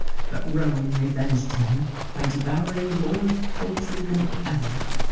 But Rome revenged him by devouring more poultry than ever.